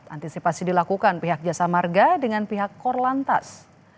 antisipasi dilakukan pihak jasa marga dengan pihak korlantas